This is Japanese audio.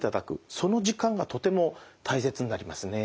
その時間がとても大切になりますね。